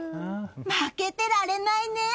負けてられないね！